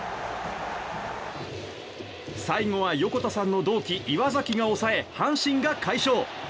最後は横田さんの同期岩崎が抑え阪神が快勝。